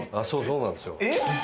そうなんですよ。